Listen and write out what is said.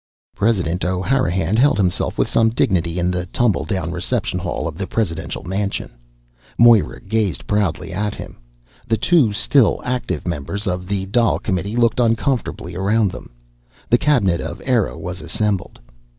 President O'Hanrahan held himself with some dignity in the tumble down reception hall of the presidential mansion. Moira gazed proudly at him. The two still active members of the Dail Committee looked uncomfortably around them. The cabinet of Eire was assembled.